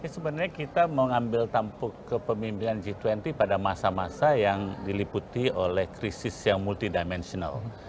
sebenarnya kita mengambil tampuk kepemimpinan g dua puluh pada masa masa yang diliputi oleh krisis yang multidimentional